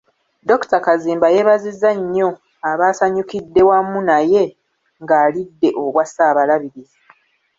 Dr. Kazimba yeebazizza nnyo abaasanyukidde wamu naye nga alidde obwa Ssaabalabirizi.